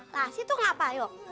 nah situ ngapain